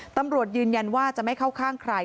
ตำรวจยืนยันว่าจะไม่เข้าข้างใคร